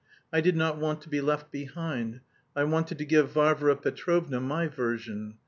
I did not want to be left behind. I wanted to give Varvara Petrovna my version.